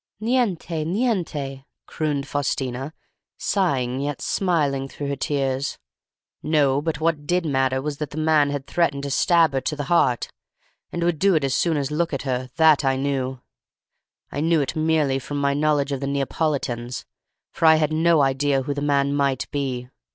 'Niente, niente,' crooned Faustina, sighing yet smiling through her tears. No, but what did matter was that the man had threatened to stab her to the heart—and would do it as soon as look at her—that I knew. "I knew it merely from my knowledge of the Neapolitans, for I had no idea who the man might be.